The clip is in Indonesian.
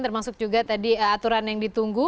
termasuk juga tadi aturan yang ditunggu